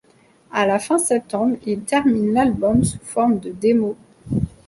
À la fin septembre, il termine l'album sous forme de démo.